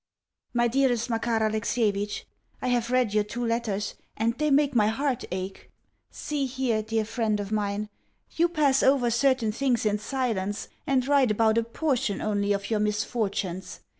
MY DEAREST MAKAR ALEXIEVITCH, I have read your two letters, and they make my heart ache. See here, dear friend of mine. You pass over certain things in silence, and write about a PORTION only of your misfortunes.